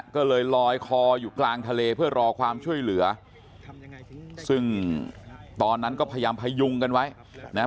ก็เลยลอยคออยู่กลางทะเลเพื่อรอความช่วยเหลือซึ่งตอนนั้นก็พยายามพยุงกันไว้นะฮะ